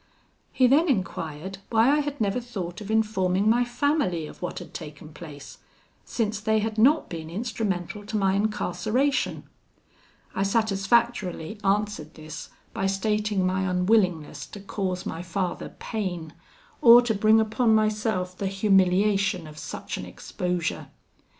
"He then enquired why I had never thought of informing my family of what had taken place, since they had not been instrumental to my incarceration. I satisfactorily answered this by stating my unwillingness to cause my father pain, or to bring upon myself the humiliation of such an exposure.